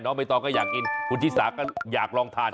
น้องเบย์ต้องก็อยากกินคุณชิสาอยากลองทาน